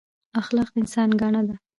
اخلاق د انسان ګاڼه ده